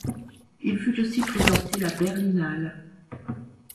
Il fut aussi présenté la Berlinale.